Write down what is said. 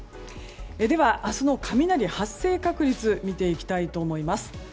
では、明日の雷発生確率を見ていきたいと思います。